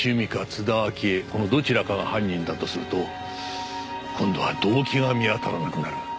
このどちらかが犯人だとすると今度は動機が見当たらなくなる。